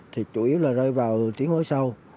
thì chủ yếu là rơi vào tiếng hối sâu